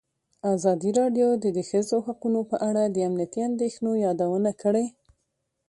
ازادي راډیو د د ښځو حقونه په اړه د امنیتي اندېښنو یادونه کړې.